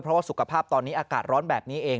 เพราะว่าสุขภาพตอนนี้อากาศร้อนแบบนี้เอง